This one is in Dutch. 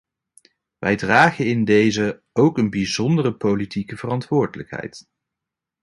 Wij dragen in dezen ook een bijzondere politieke verantwoordelijkheid.